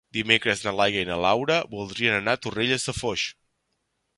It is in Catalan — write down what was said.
Dimecres na Laia i na Laura voldrien anar a Torrelles de Foix.